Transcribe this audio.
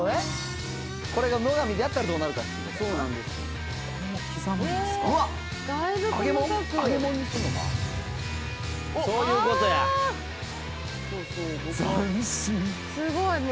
すごい。